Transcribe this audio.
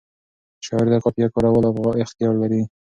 شاعر د قافیه کارولو اختیار لري.